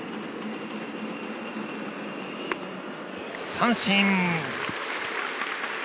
三振！